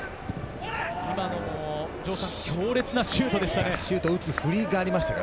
強烈なシュートでしたね。